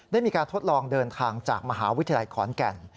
ได้มีการทดลองเดินทางจากมหาวิทยาลัยขอนแก่น